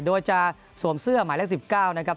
โดยจะสวมเสื้อหมายเลข๑๙นะครับ